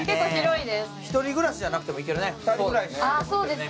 １人暮らしじゃなくてもいけるね、２人暮らしでも。